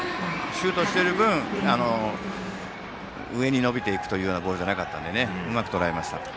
シュートしている分上に伸びていくというようなボールじゃなかったのでうまくとらえました。